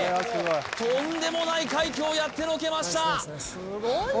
とんでもない快挙をやってのけました！